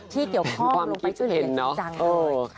ที่เกี่ยวข้องลงไปช่วยเหลือจริงจังเลย